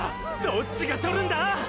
どっちが獲るんだ